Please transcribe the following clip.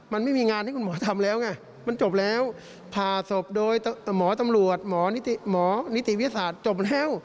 มันไม่มีงานที่คุณหมอทำแล้วไงมันจบแล้วผ่าศพโดยหมอตำรวจหมอนิติวิทยาศาสตร์จบแล้ว